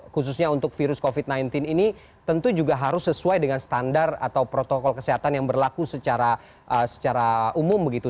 khususnya untuk virus covid sembilan belas ini tentu juga harus sesuai dengan standar atau protokol kesehatan yang berlaku secara umum begitu